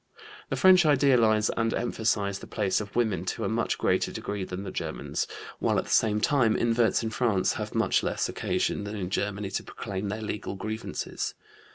The French idealize and emphasize the place of women to a much greater degree than the Germans, while at the same time inverts in France have much less occasion than in Germany to proclaim their legal grievances.